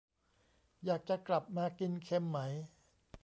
อยากจะกลับมากินเค็มไหม ?